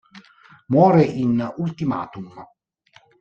Muore in "Ultimatum".